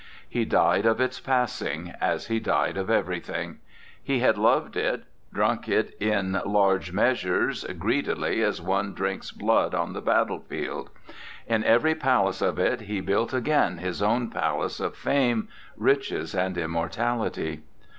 He died of its passing, as he died of every thing. He had loved it, had drunk it in large measures, greedily, as one drinks blood on the battlefield. In every palace of it he built again his own palace of fame, riches, and immortality.